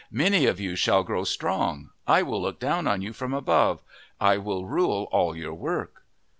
Many of you shall grow strong. I will look down on you from above. I will rule all your work."